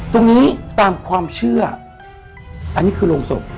ตรงนี้ตามความเชื่ออันนี้คือโรงศพ